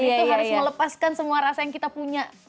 itu harus melepaskan semua rasa yang kita punya